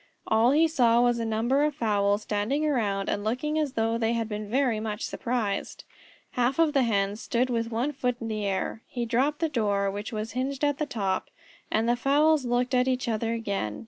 All he saw was a number of fowls standing around and looking as though they had been very much surprised. Half of the Hens stood with one foot in the air. He dropped the door, which was hinged at the top, and then the fowls looked at each other again.